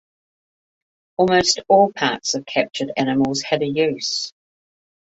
Almost all parts of captured animals had a use.